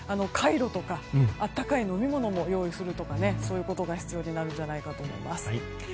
カイロとか温かい飲み物も用意するとかそういうことが必要になるんじゃないかと思います。